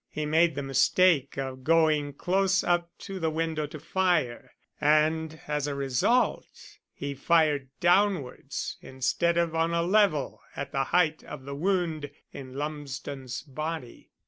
He made the mistake of going close up to the window to fire, and as a result he fired downwards instead of on a level at the height of the wound in Lumsden's body."